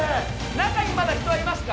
中にまだ人はいますか？